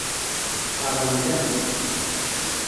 Sseṛɣent-am-tt.